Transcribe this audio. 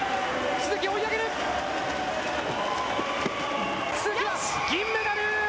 鈴木は銀メダル。